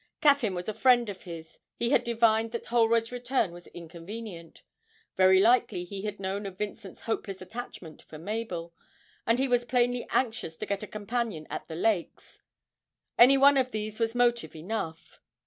Caffyn was a friend of his, he had divined that Holroyd's return was inconvenient: very likely he had known of Vincent's hopeless attachment for Mabel, and he was plainly anxious to get a companion at the Lakes; anyone of these was motive enough.